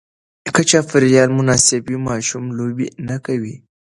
که چاپېریال مناسب نه وي، ماشومان لوبې نه کوي.